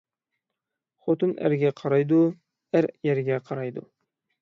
خوتۇن ئەرگە قارايدۇ، ئەر يەرگە قارايدۇ